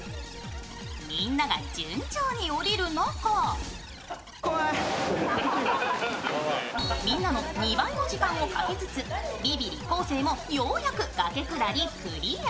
みんなが順調に下りる中みんなの２倍の時間をかけつつ、ビビリ昴生もようやく崖下りクリア。